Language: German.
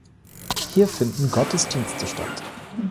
Hier finden Gottesdienste statt.